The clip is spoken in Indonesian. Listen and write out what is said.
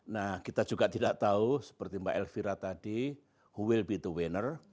nah kita juga tidak tahu seperti mbak elvira tadi who will be to wenner